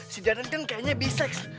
si deren kan kayaknya biseks